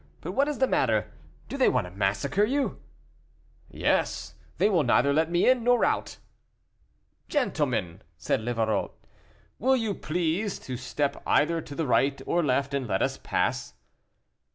But what is the matter; do they want to massacre you?" "Yes, they will neither let me in nor out." "Gentlemen!" said Livarot, "will you please to step either to the right or left, and let us pass."